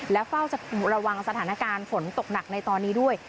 และเฝ้าจะระวังสถานการณ์ฝนตกหนักในตอนนี้ด้วย